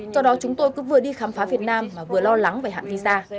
do đó chúng tôi cứ vừa đi khám phá việt nam mà vừa lo lắng về hạng visa